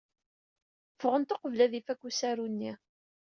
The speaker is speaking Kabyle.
Ffɣent uqbel ad ifak usaru-nni.